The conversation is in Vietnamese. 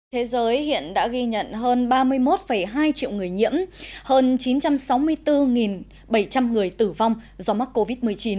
thế giới hiện đã ghi nhận hơn ba mươi một hai triệu người nhiễm hơn chín trăm sáu mươi bốn bảy trăm linh người tử vong do mắc covid một mươi chín